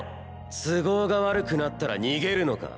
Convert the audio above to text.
都合が悪くなったら逃げるのか？